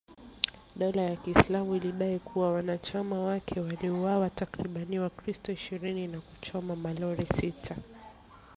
Dola ya kiislamu ilidai kuwa wanachama wake waliwauwa takribani wakristo ishirini na kuchoma malori sita.